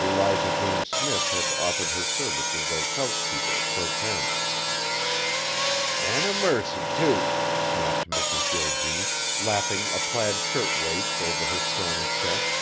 Eliza Jane Smith had offered her services as housekeeper pro tem. "An' a mercy, too!" snapped Mrs. Jo G., lapping a plaid shirt waist over her scrawny chest.